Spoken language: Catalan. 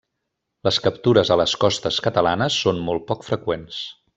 Les captures a les costes catalanes són molt poc freqüents.